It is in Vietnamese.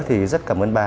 thì rất cảm ơn bà